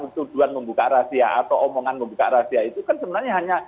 tuduhan membuka rahasia atau omongan membuka rahasia itu kan sebenarnya hanya